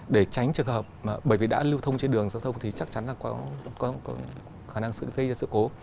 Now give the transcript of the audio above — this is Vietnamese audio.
để tránh trường hợp mà vì đã lưu thông trên đường giao thông thì chắc chắn là có khả năng gây ra sự cố